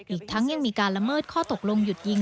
อีกทั้งยังมีการละเมิดข้อตกลงหยุดยิง